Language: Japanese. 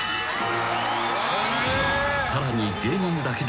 ［さらに］